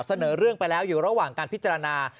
เสนอเรื่องไปแล้วอยู่ระหว่างการพิจารณา